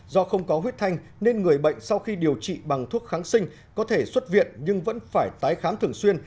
do không có huyết thanh nên người bệnh sau khi điều trị bằng thuốc kháng sinh có thể xuất viện nhưng vẫn phải tái khám thường xuyên